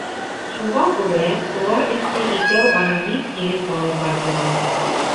Шуға күрә, улар эште икәү ара бик тигеҙ алып барҙылар.